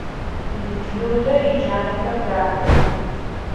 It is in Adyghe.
Людэ иджанэхэр дахэх.